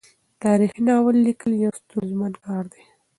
تاریخي ناول لیکل یو ستونزمن کار دی.